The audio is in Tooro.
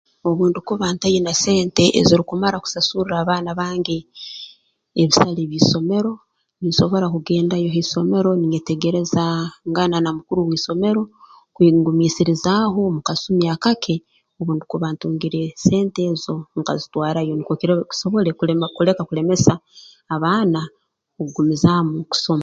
Obu ndukuba ntaine sente ezirukumara kusasurra abaana bange ebisale by'isomero ninsobora kugendayo ha isomero niinyetegerezaaangana na mukuru w'isomero kungumiisirizaaho mu kasumi akake obu ndukuba ntungire sente ezo nkazitwarayo nukwo kirole kisobole kulema kuleka kulemesa abaana okugumizaamu kusoma